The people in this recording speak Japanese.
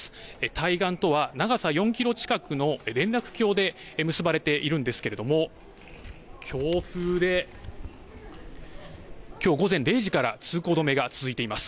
対岸とは長さ４キロ近くの連絡橋で結ばれているんですけれども強風できょう午前０時から通行止めが続いています。